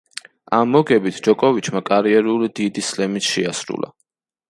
ამ მოგებით, ჯოკოვიჩმა კარიერული დიდი სლემი შეასრულა.